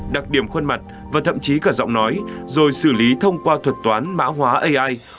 đặc điểm khuôn mặt và thậm chí cả giọng nói rồi xử lý thông qua thuật toán mã hóa ai